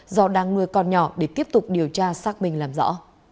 do đang nuôi con nhỏ để tiếp tục điều tra xác minh làm rõ